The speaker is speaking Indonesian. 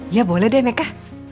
ya boleh deh meka